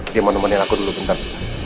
dia menemani aku dulu bentar